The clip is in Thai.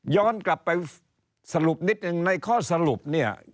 ย้อนกลับไปสรุปนิดหนึ่งในข้อสรุปเนี่ย